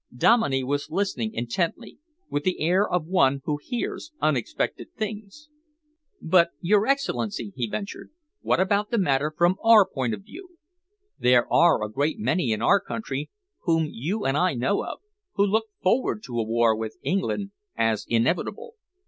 Dominey was listening intently, with the air of one who hears unexpected things. "But, your Excellency," he ventured, "what about the matter from our point of view? There are a great many in our country, whom you and I know of, who look forward to a war with England as inevitable.